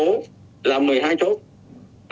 là một mươi hai chốt ra vào cư ngõ thành phố chính